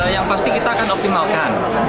yang pasti kita akan optimalkan